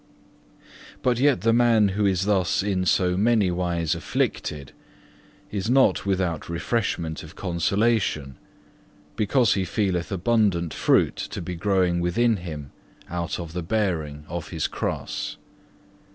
8. But yet the man who is thus in so many wise afflicted, is not without refreshment of consolation, because he feeleth abundant fruit to be growing within him out of the bearing of his cross.